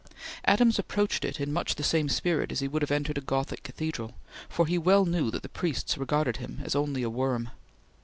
Adams approached it in much the same spirit as he would have entered a Gothic Cathedral, for he well knew that the priests regarded him as only a worm.